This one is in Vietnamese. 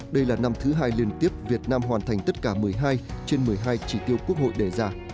đây là năm thứ hai liên tiếp việt nam hoàn thành tất cả một mươi hai trên một mươi hai chỉ tiêu quốc hội đề ra